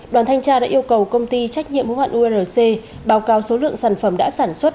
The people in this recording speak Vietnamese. đoàn thanh tra đã yêu cầu công ty trách nhiệm hữu hạn urc báo cáo số lượng sản phẩm đã sản xuất